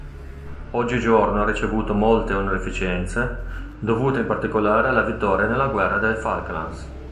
Oggigiorno ha ricevuto molte onorificenze, dovute in particolare alla vittoria nella Guerra delle Falklands.